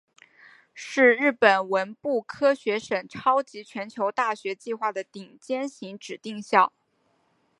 是日本文部科学省超级全球大学计划的顶尖型指定校。